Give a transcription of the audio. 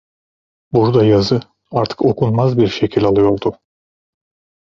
Burada yazı artık okunmaz bir şekil alıyordu.